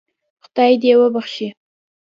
خدای دې وبخشي.